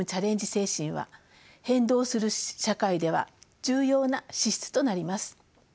精神は変動する社会では重要な資質となります。